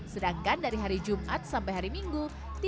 sedangkan dari hari jumat sampai hari minggu